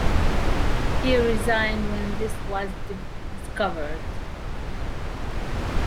He resigned when this was discovered.